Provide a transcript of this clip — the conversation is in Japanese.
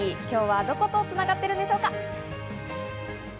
今日はどこと繋がっているでしょうか？